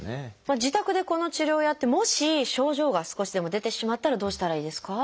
自宅でこの治療をやってもし症状が少しでも出てしまったらどうしたらいいですか？